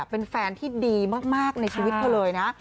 เป็นแฟนที่ดีมากในชีวิตเธอเลยนะ